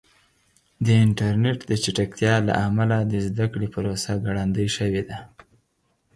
د انټرنیټ د چټکتیا له امله د زده کړې پروسه ګړندۍ شوې ده.